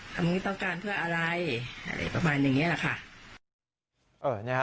อย่างนี้ต้องการเพื่ออะไรอะไรประมาณอย่างนี้แหละค่ะ